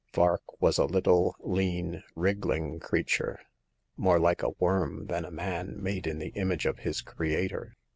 Vark was a little, lean, wriggling creature, more like a worm than a man made in the image of his Creator.